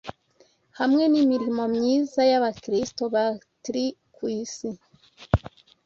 hamwe n’imirimo myiza y’abakristo batri ku isi